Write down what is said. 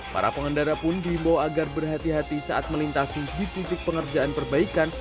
para pengendara pun diimbau agar berhati hati saat melintasi di titik pengerjaan perbaikan